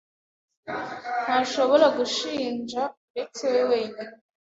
ntashobora gushinja uretse we wenyine. (marshmallowcat)